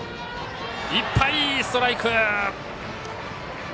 いっぱいストライク。